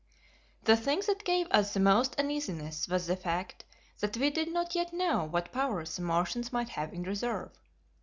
The thing that gave us the most uneasiness was the fact that we did not yet know what powers the Martians might have in reserve.